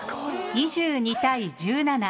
２２対１７。